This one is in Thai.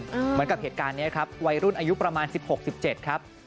เหมือนกับเหตุการณ์นี้ครับวัยรุ่นอายุประมาณ๑๖๑๗ครับ